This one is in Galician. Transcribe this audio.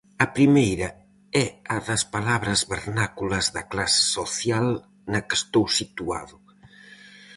A primeira é a das palabras vernáculas da clase social na que estou situado.